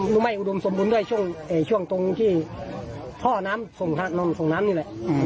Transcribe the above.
น้องไม้อุดมสมบุญด้วยช่วงเอ่ยช่วงตรงที่พ่อน้ำส่งน้องน้องส่งน้ำนี่แหละ